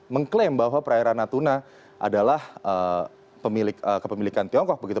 mengklaim bahwa perairan natuna adalah kepemilikan tiongkok begitu